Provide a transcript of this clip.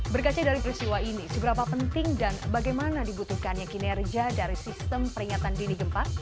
berkaca dari peristiwa ini seberapa penting dan bagaimana dibutuhkannya kinerja dari sistem peringatan dini gempa